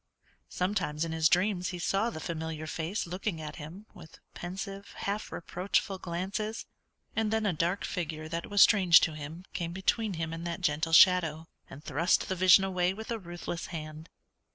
Sometimes in his dreams he saw the familiar face looking at him with pensive, half reproachful glances; and then a dark figure that was strange to him came between him and that gentle shadow, and thrust the vision away with a ruthless hand.